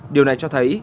điều này cho thấy